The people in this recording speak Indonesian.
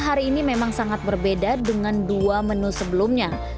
hari ini memang sangat berbeda dengan dua menu sebelumnya